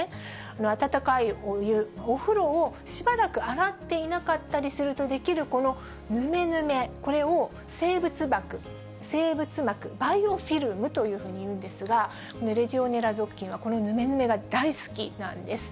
温かいお湯、お風呂をしばらく洗っていなかったりすると出来るこのぬめぬめ、これを生物膜、バイオフィルムというんですが、このレジオネラ属菌は、このぬめぬめが大好きなんです。